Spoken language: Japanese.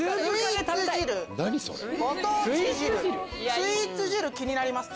スイーツ汁気になりますか？